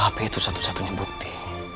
apa hp itu satu satunya bukti